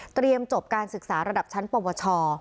จบการศึกษาระดับชั้นปวช